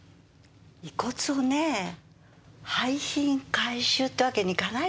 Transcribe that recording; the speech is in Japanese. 遺骨をね廃品回収ってわけにいかないでしょ。